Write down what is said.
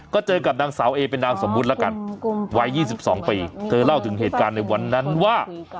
ก็เจอกับนางสาวเอเป็นนามสมมุติแล้วกันวัย๒๒ปีเธอเล่าถึงเหตุการณ์ในวันนั้นว่า